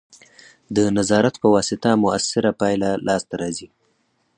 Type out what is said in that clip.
د نظارت په واسطه مؤثره پایله لاسته راځي.